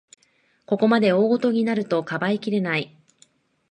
ここまで大ごとになると、かばいきれない